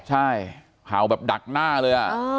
ใช่เห่าแบบดักหน้าเลย